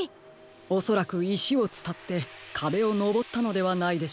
おそらくいしをつたってかべをのぼったのではないでしょうか。